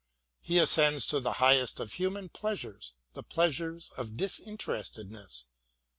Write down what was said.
He ascends to the highest of human pleasures, the pleasures of disinterestedness.